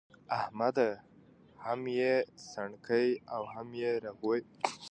احمده! هم يې سڼکې او هم يې رغوې.